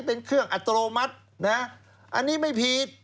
เป็นเครื่องอัตโนมัตินะอันนี้ไม่ผิด